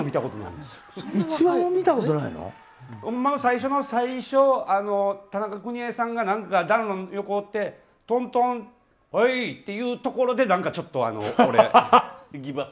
最初の最初、田中邦衛さんが何か暖炉の横におってトントン、はいって言うところで何か、ちょっと、俺。